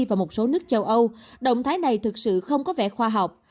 và một số nước châu âu động thái này thực sự không có vẻ khoa học